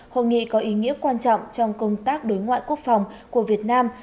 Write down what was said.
hội nghị có ý nghĩa quan trọng trong công tác đối ngoại quốc phòng của việt nam